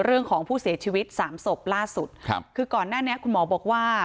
เรื่องของผู้เสียชีวิตสามศพล่าสุดครับคือก่อนหน้านี้คุณหมอบอกว่า